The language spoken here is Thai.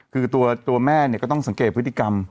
คือตัวแม่เนี่ยก็ต้องสังเกตพฤติกรรม